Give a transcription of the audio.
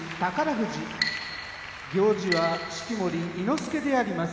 富士行司は式守伊之助であります。